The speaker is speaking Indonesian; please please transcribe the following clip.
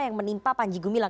yang menimpa panji gumilang